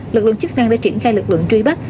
lực lượng chức năng đã triển khai lực lượng truy bắt